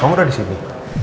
kamu udah disini